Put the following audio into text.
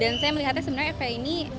dan saya melihatnya sebenarnya fbi ini